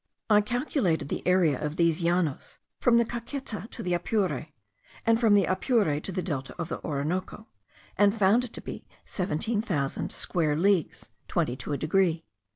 I calculated the area of these Llanos from the Caqueta to the Apure, and from the Apure to the Delta of the Orinoco, and found it to be seventeen thousand square leagues twenty to a degree.